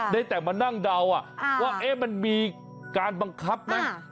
ได้แต่มานั่งเดาว่ามันมีการบังคับไหม